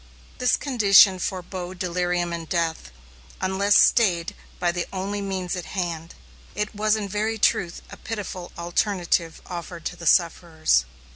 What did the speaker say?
This condition forebode delirium and death, unless stayed by the only means at hand. It was in very truth a pitiful alternative offered to the sufferers.